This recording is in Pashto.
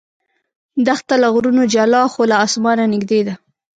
دښته له غرونو جلا خو له اسمانه نږدې ده.